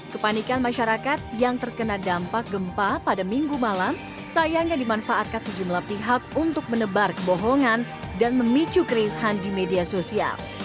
kepanikan masyarakat yang terkena dampak gempa pada minggu malam sayangnya dimanfaatkan sejumlah pihak untuk menebar kebohongan dan memicu keriuhan di media sosial